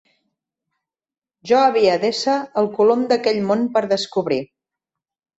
Jo havia d'ésser el Colom d'aquell món per descobrir.